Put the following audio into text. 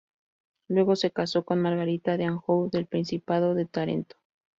Luego se casó con Margarita de Anjou del principado de Tarento.